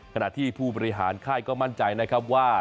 ขณะที่ผู้บริหารค่ายก็มั่นใจนะครับว่า